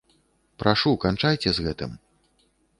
Прашу, канчайце з гэтым.